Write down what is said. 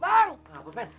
bang pak soleh